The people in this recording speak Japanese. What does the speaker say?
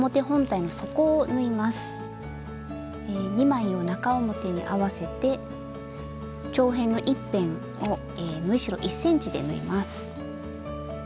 ２枚を中表に合わせて長辺の１辺を縫い代１ｃｍで縫います。